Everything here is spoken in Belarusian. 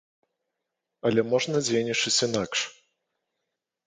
Але можна дзейнічаць інакш.